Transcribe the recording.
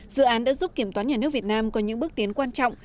dự án đã giúp kiểm toán nhà nước việt nam có những bước tiến quan trọng